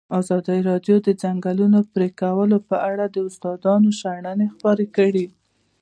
ازادي راډیو د د ځنګلونو پرېکول په اړه د استادانو شننې خپرې کړي.